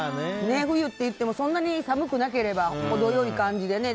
冬っていってもそんなに寒くなければ程良い感じでね。